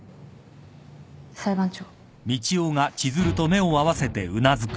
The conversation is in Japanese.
裁判長。